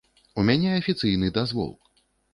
У мяне афіцыйны дазвол.